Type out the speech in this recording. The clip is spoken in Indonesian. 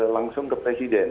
langsung ke presiden